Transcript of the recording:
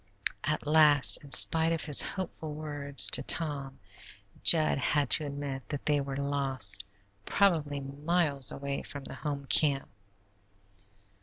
At last, in spite of his hopeful words to Tom, Jud had to admit that they were lost, probably miles away from the home camp.